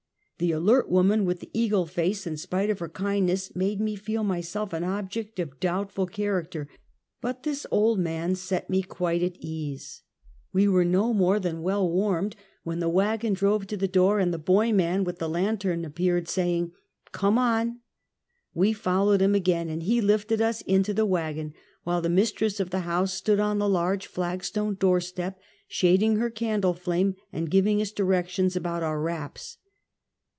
The alert woman with the eagle face, in spite of her kindness, made me feel myself an object of doubtful character, but this old man set me quite at ease. We Go TO BoAKDiNG School. 25 were no more than well warmed when the wagon drove to the door, and the boy man with the lantern ap peared, saying, " Come on." "VVe followed him again, and he lifted us into the wagon, while the mistress of the house stood on the large flag stone door step, shading her candle flame, and giving directions about our wraps.